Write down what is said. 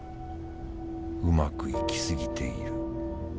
うまくいき過ぎている。